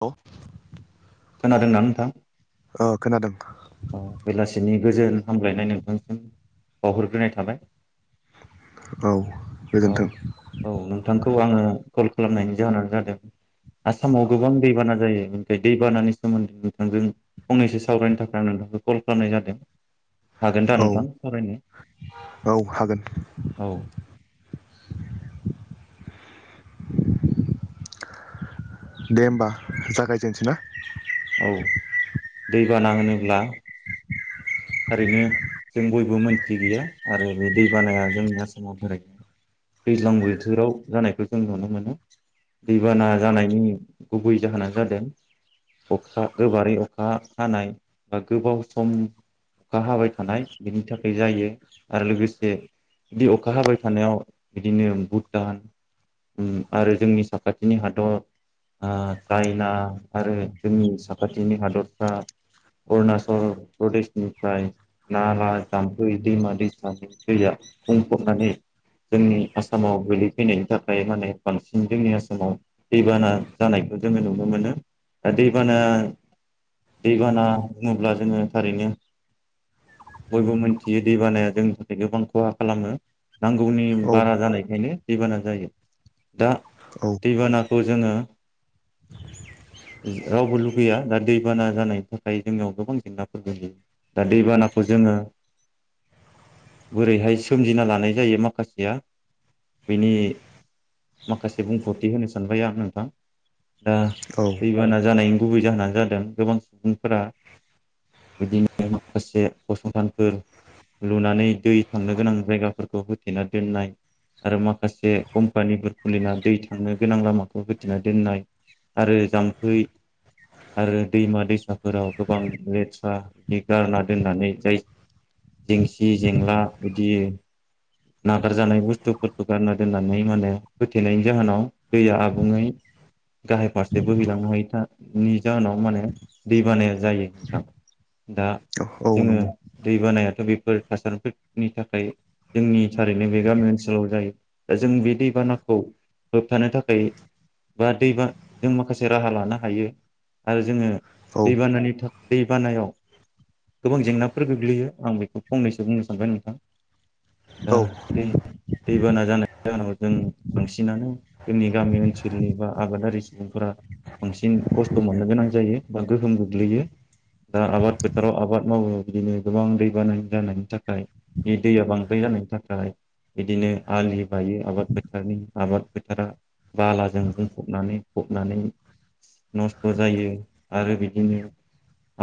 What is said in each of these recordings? औ। खोनादों ना नोंथां? ओ खोनादों। अ बेलासिनि गोजोन हामलायनाय नोंथांसिम बावहर ग्रोनाय थाबाय। औ औ गोजोन्थों औ नोंथांखौ आङो कल खालामनायनि जाहोनानो जादों आसामाव गोबां दैबाना जायो बे दैबानानि सोमोन्दै नोंथांजों फंनैसो सावरायनो थाख आं नोंथांखौ कल खालामनाय जादों। हागोन दा औ नोंथां सावरायनो औ हागोन औ दे ओमबा जागायजेनसै ना? औ दैबाना होनोब्ला थारैनो जों बयबो मोनथि गैया आरो बे दैबानाया जोंनि आसामाव दैज्लां बोथोराव जानायखौ जों नुनो मोनो दैबाना जानायनि गुबै जाहोनानो जादों अखा गोबारै अखा हानाय बा गोबाव सम अखा हाबाय थानाय बिनि थाखाय जायो आरो लोगोसे बि अखा हाबाय थानायाव बिदिनो भुटान आरो जोंनि साखाथिनि हादर ओ चाइना आरो जोंनि साखाथिनि हादरफ्रा अरुनाचल प्रदेश ओमफाय नाला जामफै दैमा दैसानि दैया बुंफबनानै जोंनि आसामाव गोगलैफैनायनि थाखाय माने बांसिन जोंनि आसामाव दैबाना जानायखौ जोङो नुनो मोनो दा दैबाना दैबाना बुङोब्ला जोङो थारैनो बयबो मोनथियो दैबानाया जोंनि थाखाय गोबां खहा खालामो नांगौनि औ बारा जानायखायनो दैबाना जायो दा औ दैबानाखौ जोङो रावबो लुगैया दा दैबाना जानायनि थाखाय जोंनियाव गोबां जेंनाफोर गोग्लैयो। दा दैबानाखौ जोङो बोरैहाय सोमजिना लानाय जायो माखासेया बेनि माखासे बुंफोरथि होनो सानबाय आं नोंथां दा औ ओ दैबाना जानायनि गुबै जाहोनानो जादों गोबां सुबुंफोरा बिदिनो माखासे फसंथानफोर लुनानै दै थांनो गोनां जायगाफोरखौ होथेना दोननाय आरो माखासे कम्पानिफोर खुलिना दै थांनो गोनां लामाखौ होथेना दोननाय आरो जाम्फै आरो दैमा दैसाफोराव गोबां लेथ्रा बिदि गारना दोननानै जाय जेंसि जेंला बिदि नागारजानाय बुस्थुफोरखौ गारना दोननानै माने होथेनायनि जाहोनाव दैया आबुङै गाहाय फारसे बोहैलांनो हायोनि जाहोनाव माने दै बानाया जायो नोंथां। दा औ जोङो नंगौ दैबानायाथ' बेफोर थासारिफोरनि थाखाय जोंनि थारैनो बे गामि ओनसोलाव जायो दा जों बे दैबानाखौ होबथानो थाखाय बा दैबाना जों माखासे राहा लानो हायो आरो जोङो औ दैबानानि था दैबानायाव गोबां जेंनाफोर गोग्लैयो आं बेखौ फंनैसो बुंनो सानबाय नोंथां। दा औ दैे दैबाना जानायनि जाहोनाव जों बांसिनानो जोंनि गामि ओनसोलनि बा आबादारि सुबुंफोरा बांसिन खस्थ' मोननो गोनां जायो बा गोहोम गोग्लैयो दा आबाद फोथाराव आबाद मावो बिदिनो गोबां दैबाना जानायनि थाखाय बे दैया बांद्राय जानायनि थाखाय बिदिनो आलि बायो आबाद फोथारनि आबाद फोथारा बालाजों बुंफबनानै फबनानै नस्थ' जायो आरो बिदिनो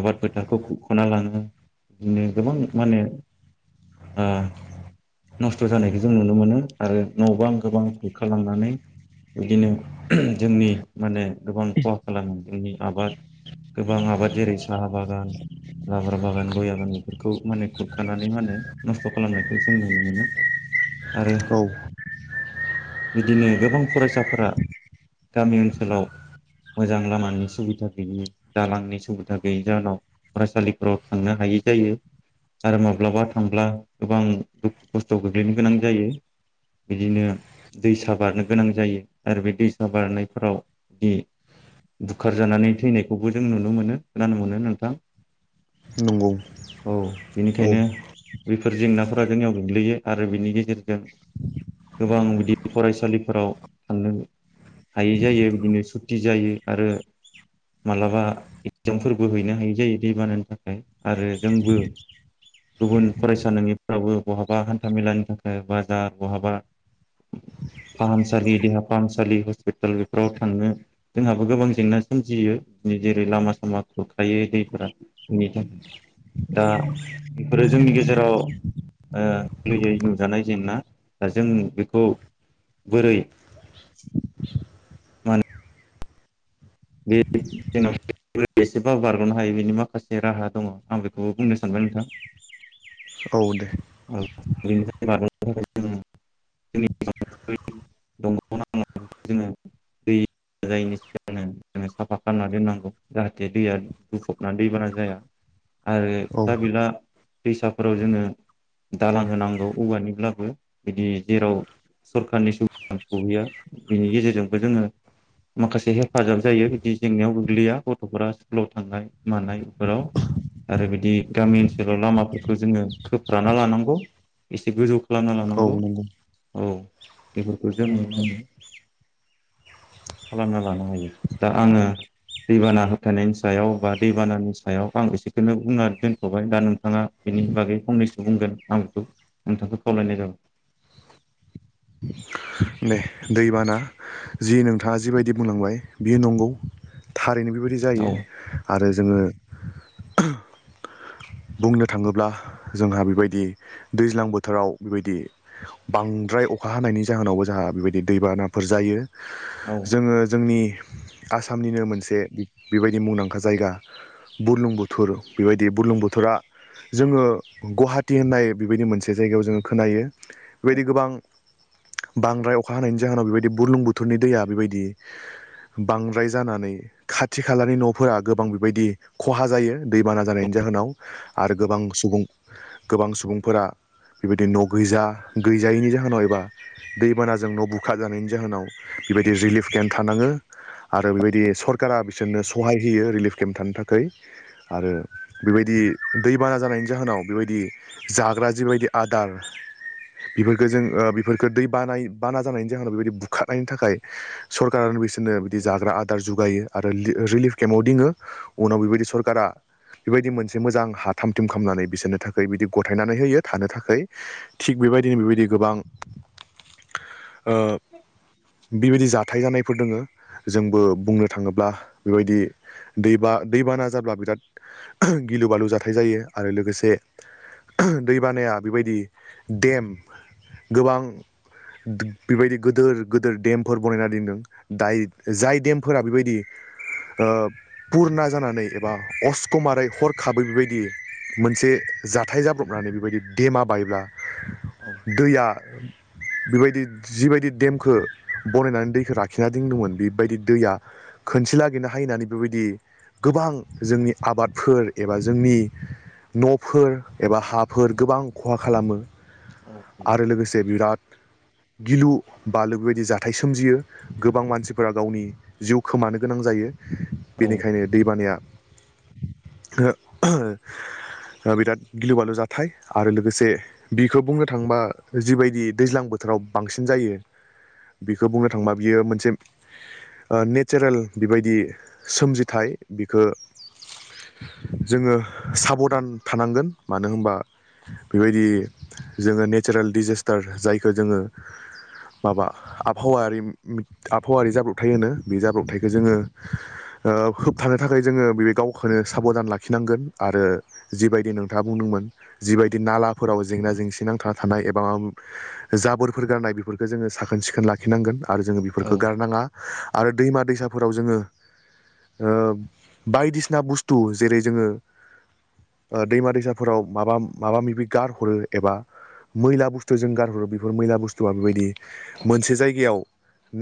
आबाद फोथार खौ खुरख'ना लाङो बिदिनो गोबां माने ओ नस्थ' जानायखौ जों नुनो मोनो आरो न' बां गोबां बुखारलांनानै बिदिनो जोंनि माने गोबां खहा खालामो जोंनि आबाद गोबां आबाद जेरै साहा बागान लाब्रा बागान गय बागान बेफोरखौ माने खुरखानानै माने नस्थ' खालामनायखौ जों नुनो मोनो आरो औ बिदिनो गोबां फरायसाफोरा गामि ओनसोलाव मोजां लामानि सुबिदा गैयि दालांनि सुबिदा गैयि जाहोनाव फरायसालिफोराव थांनो हायै जायो आरो माब्लाबा थांब्ला गोबां दुखु खस्थ' गोग्लैनो गोनां जायो बिदिनो दैसा बारनो गोनां जायो आरो बे दैसा बारनायफोराव जि बुखार जानानै थैनायखौबो जों नुनो मोनो खोनानो मोनो नोंथां। नंगौ औ औ बेनिखायनो बेफोर जेंनाफो बा जोंनियाव गोग्लैयो आरो बिनि गेजेरजों गोबां बिदि फरायसालिफोराव थांनो हायै जायो बिदिनो सुथिजायो आरो मालाबा एगजामफोरबो हैनो हायै जायो दै बानायानि थाखाय आरो जोंबो गुबुन फरायसा नङि फोरावबो बहाबा हान्थामेलानि थाखाय बाजाार बहाबा फाहामसालि देहा फाहामसालि हस्पिटाल बेफोराव थांनो जोंहाबो गोबां जेंना सोमजियो जेरै लामा सामा खुरखायो दैफोरा बेनि थाखाय दा बेफोरो जोंनि गेजेराव ओ गोरलैयै नुजानाय जेंना दा जों बेखौ बोरै मान बे [unintelligible] एसेबाबो बारग'नो हायो बेनि माखासे राहा दङ आं बेखौबो बुंनो सानबाय नोंथां। औ दे बेनि [unintelligible] जोङो दै जायैनि सिगांनो जों साफा खालामना दोननांगौ जाहाथे दैया बुंफबना दैबाना जाया। आरो औ फिसा बिला दैसाफोराव जोङो दालां होनांगौ औवानिब्लाबो बिदि जेराव सरखारनि सुबिदा सहैया बिनि गेजेरजोंबो जोङो माखासे हेफाजाब जायो बिदि जेंनायाव गोग्लैया गथ'फोरा स्कुलाव थांनाय मानाय बेफोराव आरो बिदि गामि ओनसोलाव लामाफोरखौ जोङो खोफराना लानांगौ इसे गोजौ खालामना औ लानांगौ नंगौ औ बेफोरबो जोंनि मावनो खालामना लानो हायो। दा आङो दैबाना होबथनायनि सायाव बा दैबानानि सायाव आं एसेखौनो बुंना दोनथ'बाय दा नोंथाङा बेनि बागै फंनैसो बुंगोन आं बेखौ नोंथांखौ खावलायनाय जाबाय। दे दैबाना जि नोंथाङा जिबायदि बुंलांबाय बियो नंगौ थारैनो बायदि औ जायो आरो जोङो बुंनो थाङोब्ला जोंहा बेबायदि दैज्लां बोथोराव बेबायदि बांद्राय अखा हानायनि जाहोनावबो जोंहा बेबायदि दैबानाफोर जायो। औ जोङो जोंनि आसामनिनो मोनसे बेबायदि मुंदांखा जायगा बुरलुंबुथुर बेबायदि बुरलुंबु फोरा जोङो गुहाटी होननाय बेबायदि मोनसे जायगायाव जोङो खोनायो बेबायदि गोबां बांद्राय अखा हानायनि जाहोनाव बेबायदि बुरलुंबुथुरनि दैया बेबायदि बांद्राय जानानै खाथि खालानि न'फोरा गोबां बेबायदि खहा जायो दैबाना जानायनि जाहोनाव। आरो गोबां सुबुं गोबां सुबुंफोरा बेबायदि न' गैजा गैजायैनि जाहोनाव एबा दैबानाजों न' बुखारजानायनि जाहोनाव बेबायदि रिलिफ केम्प थानाङो आरो बेबायदि सरकारा बिसोरनो सहाय होयो रिलिफ केम्प थानो थाखाय आरो बेबायदि दै बाना जानायनि जाहोनाव बेबायदि जाग्रा जिबायदि आदार बेफोरखौ जों ओ बेफोरखो दै बानाय बाना जानायनि जाहोनाव बेबायदि बुखारनायनि थाखाय सरकारानो बेस नो बिदि जाग्रा आदार जुग दायो आरो रिलिफ केमआव दोनो उनाव बे बायदि सरखारा बेबायदि मोनसे मोजां हा थाम थिम खालामनानै बिसोरनो थाखाय बिदि गथायनानै होयो थानो थाखाय थिग बेबायदिनो बेबायदि गोबां ओ बेबायदि जाथाय जानायफोर दोङो जोंबो बुंनो थाङोब्ला बेबायदि दैबा दैबाना जाब्ला बिराद गिलु बालु जाथाय जायो आरो लोगोसे दैबानाया बेबायदि देम गोबां बेबायदि गोदोर गोदोर देमफोर बनायना दोनदों दाय जाय देमफोरा बेबायदि ओ पुरना जानानै एबा अस्कमारै हर खाबै बेबायदि मोनसे जाथाय जाब्रबनानै बेबायदि देमा बायब्ला औ दैया बेबायदि जिबायदि देमखौ बनायनानै दैखौ लाखिना दोनदोंमोन बेबायदि दैया खनसे लागिरनो हायनानै बेबायदि गोबां जोंनि आबादफोर एबा जोंनि न'फोर एबा हाफोर गोबां खहा खालामो औ नंगौ। आरो लोगोसे बिराद गिलु बालु बेबायदि जाथाय सोमजियो गोबां मानसिफोरा गावनि जिउ खोमानो गोनां जायो औ बेनिखायनो दैबानाया [unintelligible] बिराद गिलु बालु जाथाय आरो लोगोसे बिखौ बुंनो थाङोबा जिबायदि दैज्लां बोथोराव बांसिन जायो बेखौ बुंनो थांबा बियो मोनसे ओ नेचारेल बेबायदि सोमजिथाय बि खो जोङो साबधान थानांगोन मानो होनबा बेबायदि जोङो नेचारेल डिजेस्टार जायखौ जोङो माबा आबहावायारि आबहावायारि जाब्रथाय होनो बे जाब्रबथायखो जोङो ओ होबथानो थाखाय जोङो बे गावखौनो साबदान लाखिनांगोन आरो जिबायदि नोंथाङा बुंदोंमोन जिबायदि नालाफोराव जेंना जेंसि नांथाना थानाय एबा जाबोरफोर गारनाय बेफोरखौ जोङो साखोन सिखोन लाखिनांगोन आरो जोङो औ बेफोरखो गारनाङा आरो दैमा दैसाफोराव जोङो ओ बायदिसिना बुस थु जेरै जोङो ओ दैमा दैसाफोराव माबा माबा मिबि गारहरो एबा मैला बुस्थु जों गारहरो बेफोर मैला बुस्थुआ बेबायदि मोनसे जायगायाव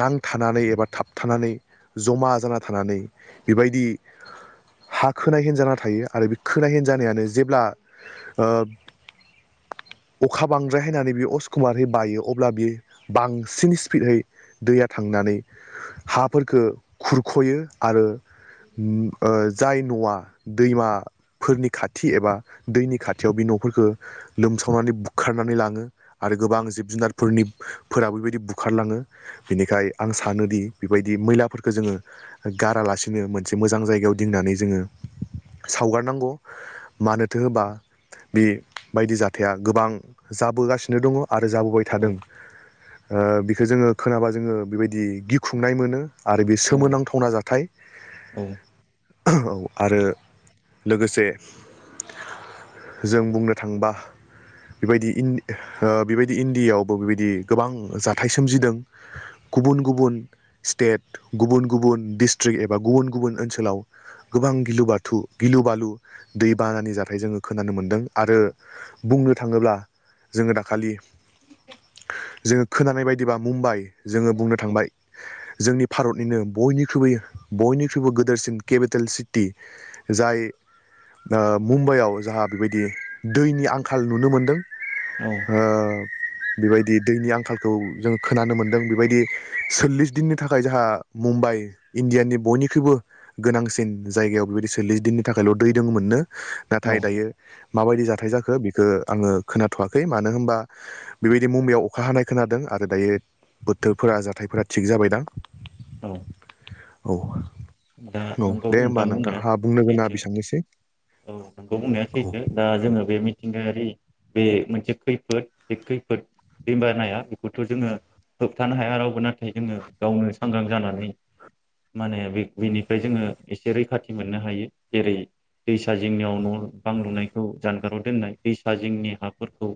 नांथानानै एबा थाबथानानै जमा जाना थानानै बेबायदि हा खोनाय हिनजाना थायो आरो बे खोनाय हिनजानायानो जेब्ला ओ अखा बांद्राय हायनानै बे अशकुमारै बायो अब्ला बे बांसिन स्पिडहै दैया थांनानै हा फोरखौ खुरख'यो आरो उम ओ जायनि न'आ दैमा फोरनि खाथि एबा दैनि खाथियाव बे न'फोरखौ लोमसावनानै बुखारनानै लाङो आरो गोबां जिब जुनारफोरनि फोराबो बेबायदि बुखारलाङो बेनिखाय आं सानोदि बेबायदि मैलाफोरखौ जोङो गारालासिनो मोनसे मोजां जायगायाव दिननानै जोङो सावगारनांगौ मानोथो होबा बे बायदि जाथाया गोबां जाबोगासिनो दंङ आरो जाबोबाय औ थादों ओ बि खो जोंङो खोनाबा जोंङो बेबायदि गिखुंनाय मोनो आरो बे सोमोनांथावना जाथाय औ औ । आरो लोगोसे जों बुंनो थांबा बेबायदि इन ओ बेबायदि इण्डियावबो बेबायदि गोबां जाथाय सोमजिदों । गुबुन गुबुन स्टेट गुबुन गुबुन डिस्ट्रिक् एबा गुबुन गुबुन ओनसोलाव गोबां गिलु बाथु गिलु बालु दैबानानि जाथाय जोङो । खोनानो मोनदों आरो बुंनो थांङोब्ला जोंङो दाखालि जोंङो खोनानाय बायदिबा मुम्बाइ जोंङो बुंनो थांबाय जोंनि भारतनिनो बयनिख्रुइ बयनिख्रुइबो गोदोरसिन केपिटेल सि टि । जाय ओ मुम्बाइआव जोहा बेबायदि दैनि आंखाल नुनो मोनदों । औ हो बेबायदि दैनि आंखालखौ जोंङो खोनानो मोनदों । बेबायदि सोल्लिस दिननि थाखाय जोहा मुम्बाइ इण्डियानि बयनिख्रुइबो गोनांसिन जायगायाव बेबायदि [unintelligible] दिननि थाखायल' दै जों मोननो नाथाय औ दायो । माबायदि जाथाय जाखो । बेख आंङो खोनाथ'वाखै मानो होनबा बेबायदि मुम्बाइायाव अखा हानाय खोनादों आरो दायो बोथोरफोरा जाथायफोरा थिग जाबाय दां औ । औ । दा नोंगौ ओम । नोंथां बुंनाया गोनाङा सैथो बेसेबांनोसै औ नंगौ बुंनाया औ सैथो दा जोंङो । बे मिथिंगायारि बे मोनसे खैफोद बे खैफोद दैबानाया बेखौथ' जोंङो होबथानो हाया रावबो नाथाय जोंङो । गावनो सांग्रां जानानै माने बे बेनिफ्राय जोंङो एसे रैखाथि मोननो हायो । जेरै दैसा जिंनियाव न' बां लुनायखौ जानगाराव दोननाय । दैसा जिंनि हाफोरखौ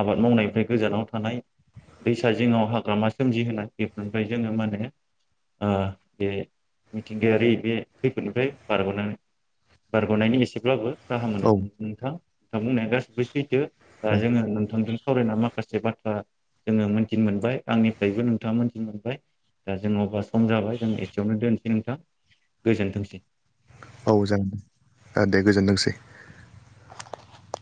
आबाद मावनायनिफ्राय गोजानाव थानाय । दैसा जिङाव हाग्रामा सोमजिहोनाय बेफोरनिफ्राय जोंङो माने ओ बे मिथिंगायारि बे खैफोदनिफ्राय बारग'नानै बारग'नायनि एसेब्लाबो गाहाम औ मोनायखौ नुयो नोंथां । दा बुंनाया गासिबो सैथो । दा औ जोंङो नोंथांदों सावरायना माखासे बाथ्रा जोंङो मोनथिनो मोनबाय आंनिफ्रायबो नोंथाङा मोनथिनो मोनबाय दा जोंङो अब सम जाबाय जों एसेयावनो दोन नोंथां गोजोनथोंसै । औ जागोन दे दे गोजोनथोंसै ।